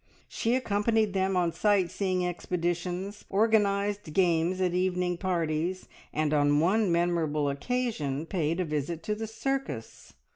She accompanied them on sight seeing expeditions, organised games at evening parties, and on one memorable occasion paid a visit to the circus.